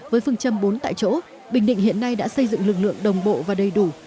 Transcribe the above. với phương châm bốn tại chỗ bình định hiện nay đã xây dựng lực lượng đồng bộ và đầy đủ